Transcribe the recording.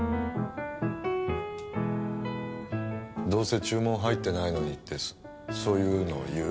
どうせ注文入ってないのにってそういうの言う？